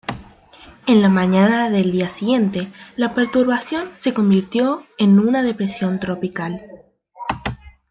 En la mañana del día siguiente la perturbación se convirtió en una depresión tropical.